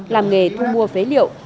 làm nghề thu mua phế liệu